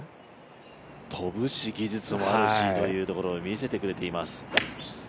飛ぶし、技術もあるしということで、見せてくれています。